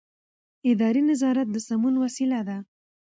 اداري نظارت د سمون وسیله ده.